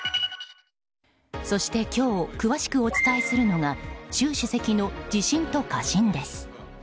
そして、今日詳しくお伝えするのが習主席の自信と過信です。